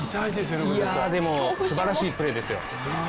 でも、すばらしいプレーですよ。